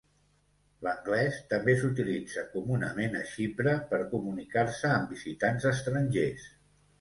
L'anglès també s'utilitza comunament a Xipre per comunicar-se amb visitants estrangers.